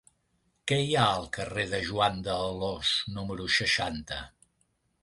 Què hi ha al carrer de Joan d'Alòs número seixanta?